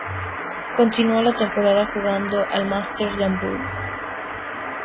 Continuó la temporada jugando el Masters de Hamburgo.